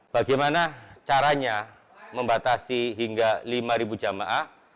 bagaimana caranya membatasi hingga lima jamaah